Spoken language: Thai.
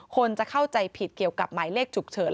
คนจะเข้าใจผิดเกี่ยวกับหมายเลขฉุกเฉิน